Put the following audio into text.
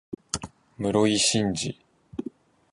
室井慎次